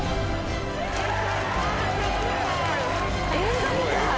映画みたい！